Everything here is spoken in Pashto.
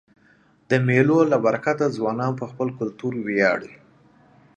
د مېلو له برکته ځوانان په خپل کلتور وياړي.